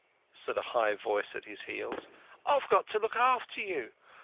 said a high voice at his heels. "I've got to look after you.